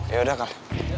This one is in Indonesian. ya udah kal